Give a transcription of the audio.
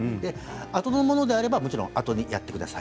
後のものであればもちろん後にやってください。